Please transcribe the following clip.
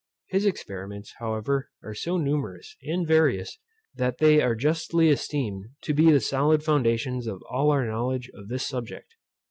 His experiments, however, are so numerous, and various, that they are justly esteemed to be the solid foundation of all our knowledge of this subject.